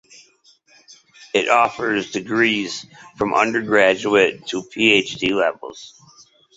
It offers degrees from undergraduate to PhD level.